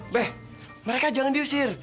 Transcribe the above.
be mereka jangan diusir